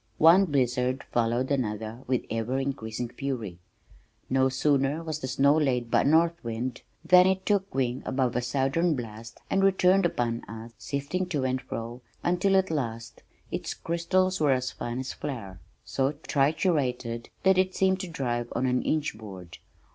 One blizzard followed another with ever increasing fury. No sooner was the snow laid by a north wind than it took wing above a southern blast and returned upon us sifting to and fro until at last its crystals were as fine as flour, so triturated that it seemed to drive through an inch board.